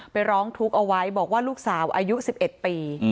ร้องทุกข์เอาไว้บอกว่าลูกสาวอายุ๑๑ปี